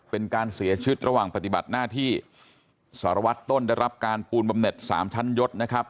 เป็นการเสียชีวิตระหว่างปฏิบัติหน้าที่สารวัตรต้นได้รับการปูนบำเน็ตสามชั้นยศนะครับ